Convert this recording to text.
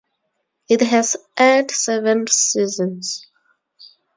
It has aired seven seasons.